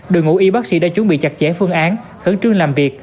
đội ngũ y bác sĩ đã chuẩn bị chặt chẽ phương án khẩn trương làm việc